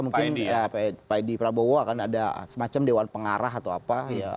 mungkin pak edi prabowo akan ada semacam dewan pengarah atau apa